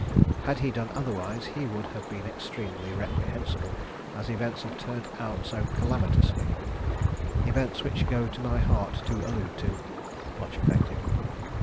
Had he done otherwise he would have been extremely reprehensible, as events have turned out so calamitously events which go to my heart to allude to. (Much affected.)